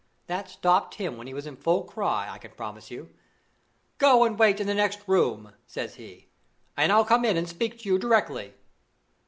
That stopped him when he was in full cry, I can promise you. 'Go and wait in the next room,' says he, 'and I'll come in and speak to you directly.